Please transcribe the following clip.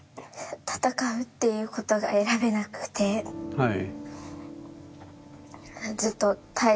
はい。